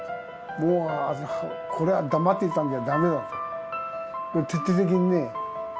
もうこれは黙っていたんじゃダメだと。